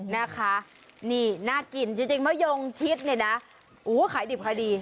นะคะนี่น่ากินจริงมะยงชิดเนี่ยนะขายดิบขายดี